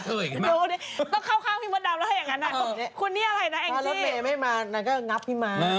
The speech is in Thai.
ต้องเข้าข้างพี่มดำแล้วแหละอย่างงั้นนะ